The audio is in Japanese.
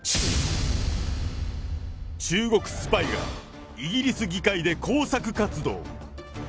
中国スパイがイギリス議会で工作活動。